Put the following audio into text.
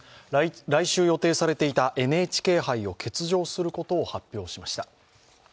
来週予定されていたＮＨＫ杯を欠場することを発表しました。